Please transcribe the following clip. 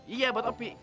iya buat hopi